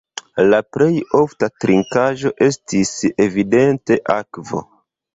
La plej ofta trinkaĵo estis evidente akvo.